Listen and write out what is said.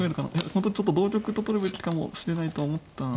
本当ちょっと同玉と取るべきかもしれないと思った。